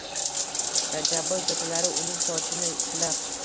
Rajabboy kechalari uning sochini silab: